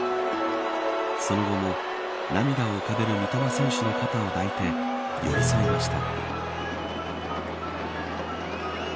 その後も涙を浮かべる三笘選手の肩を抱いて寄り添いました。